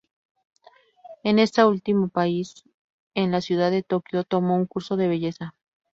En esta último país, en la ciudad de Tokio, tomó un curso de belleza.